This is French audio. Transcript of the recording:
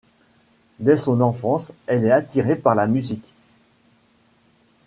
Dès son enfance, il est attiré par la musique.